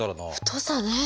太さねえ。